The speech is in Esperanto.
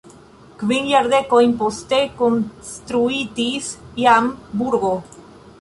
Kvin jardekojn poste konstruitis jam burgo.